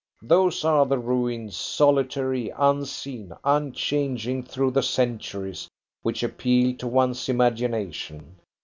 Those are the ruins, solitary, unseen, unchanging through the centuries, which appeal to one's imagination.